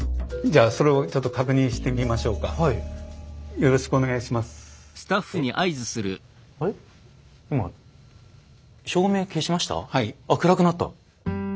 あっ暗くなった。